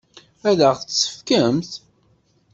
Ad ɣ-tt-tefkemt?